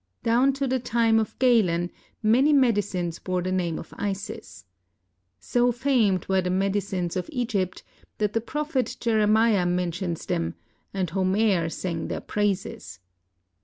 Down to the time of Galen many medicines bore the name of Isis. So famed were the medicines of Egypt that the prophet Jeremiah mentions them, and Homer sang their praises.